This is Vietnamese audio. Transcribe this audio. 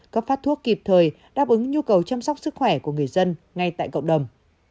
cấp phát thuốc kịp thời đáp ứng nhu cầu chăm sóc sức khỏe của người dân ngay tại cộng đồng